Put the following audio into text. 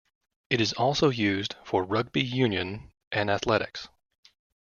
It is also used for rugby union and athletics.